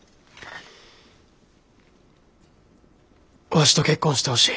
わしと結婚してほしい。